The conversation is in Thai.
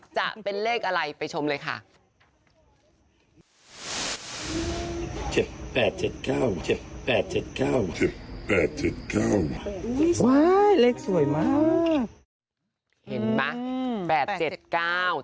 จะเป็นเลขอะไรไปชมเลยค่ะ